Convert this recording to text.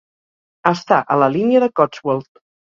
Està a la línia de Cotswold.